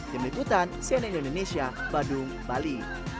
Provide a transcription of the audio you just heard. yang berikutan sna indonesia badung bali